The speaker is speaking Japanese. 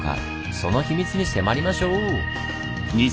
その秘密に迫りましょう！